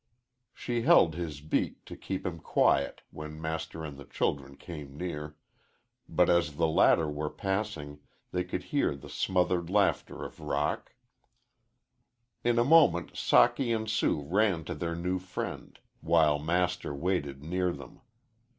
She held his beak to keep him quiet when Master and the children came near, but as the latter were passing they could hear the smothered laughter of Roc. In a moment Socky and Sue ran to their new friend, while Master waited near them.